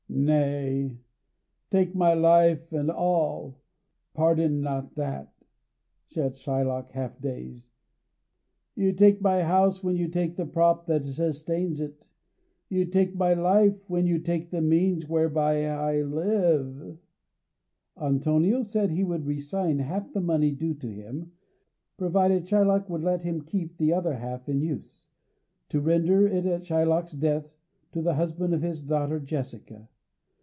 "Nay, take my life and all; pardon not that," said Shylock, half dazed. "You take my house when you take the prop that sustains it; you take my life when you take the means whereby I live." Antonio said he would resign half the money due to him, provided Shylock would let him keep the other half in use, to render it at Shylock's death to the husband of his daughter Jessica.